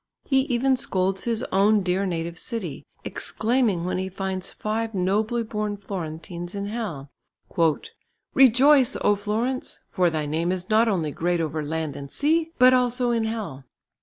He even scolds his own dear native city, exclaiming when he finds five nobly born Florentines in Hell: "Rejoice! O Florence! for thy name is not only great over land and sea, but also in hell.